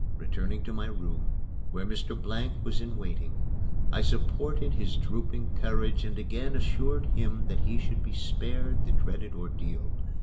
Returning to my room, where Mr. Blank was in waiting, I supported his drooping courage and again assured him that he should be spared the dreaded ordeal.